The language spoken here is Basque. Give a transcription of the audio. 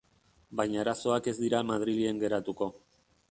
Baina arazoak ez dira Madrilen geratuko.